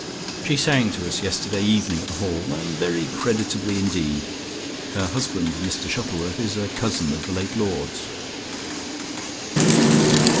She sang to us yesterday evening at The Hall, and very creditably indeed. Her husband, Mr Shuttleworth, is a cousin of the late lord's."